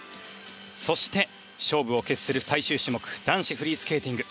そして勝負を決する最終種目男子フリースケーティング。